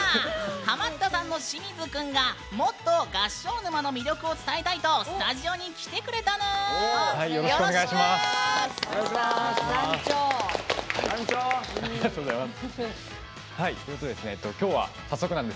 ハマったさんの清水くんがもっと合唱沼の魅力を伝えたいとスタジオに来てくれたぬーん。